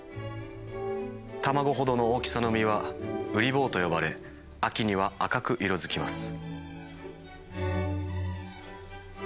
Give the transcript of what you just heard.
卵ほどの大きさの実はウリ坊と呼ばれ秋には赤く色づきます。